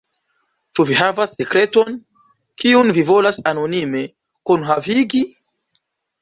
Ĉu vi havas sekreton, kiun vi volas anonime kunhavigi?